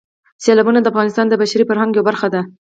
سیلابونه د افغانستان د بشري فرهنګ یوه برخه ده.